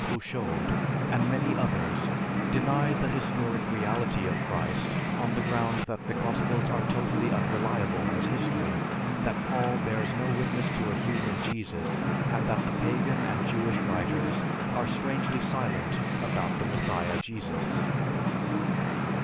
Couchoud, and many others deny the historic reality of Christ on the ground that the Gospels are totally unreliable as history, that Paul bears no witness to a human Jesus, and that the pagan and Jewish writers are strangely silent about the Messiah Jesus.